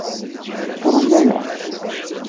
Nekṛen aya.